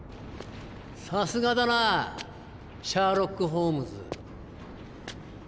さすがだなシャーロック・ホームズ。